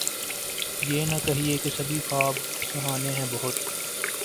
یہ نہ کہیے کہ سبھی خواب سہانے ہیں بہت